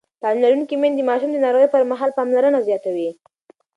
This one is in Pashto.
تعلیم لرونکې میندې د ماشومانو د ناروغۍ پر مهال پاملرنه زیاتوي.